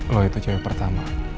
lo itu cewek pertama